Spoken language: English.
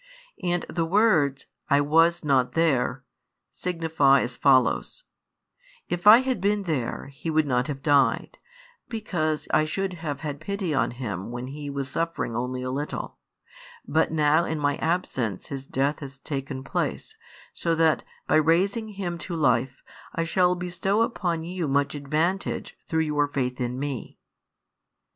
And the words: I was not there, signify as follows: "If I had been there, he would not have died, because I should have had pity on him when he was suffering only a little; but now in My absence his death has taken place, so that, by raising him |115 life, I shall bestow upon you much advantage through your faith in Me."